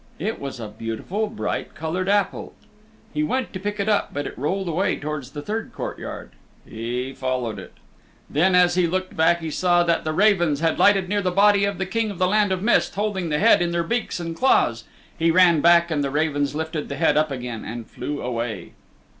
It was a beautiful, bright colored apple. He went to pick it up, but it rolled away towards the third courtyard. He followed it. Then, as he looked back he saw that the ravens had lighted near the body of the King of the Land of Mist, holding the head in their beaks and claws. He ran back and the ravens lifted the head up again and flew away.